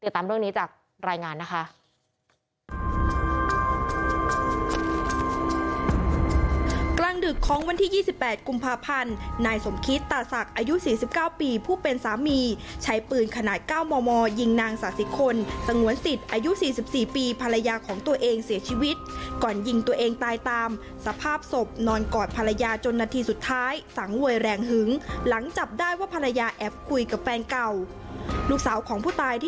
ตามเรื่องนี้จากรายงานนะคะ